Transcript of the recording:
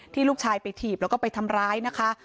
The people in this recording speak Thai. ลูกชายไปถีบแล้วก็ไปทำร้ายนะคะ